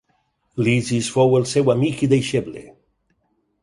Lisis fou el seu amic i deixeble.